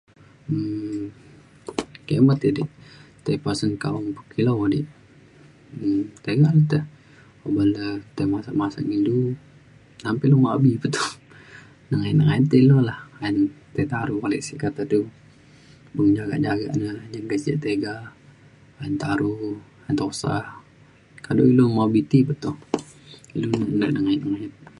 um kimet edi tai pasen kaong pekilau edi um tiga le te uban de tai masat masat ngan ilu nam pa ilu mabi pe toh nengayet nengayet ilu lah ayen ti taru ale sik kata du beng jagak jagak na jagak sek tiga ayen taru ngan tusa kado ilu mabi ti pe toh ilu na nengayet nengayet